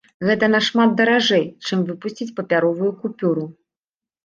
Гэта нашмат даражэй, чым выпусціць папяровую купюру.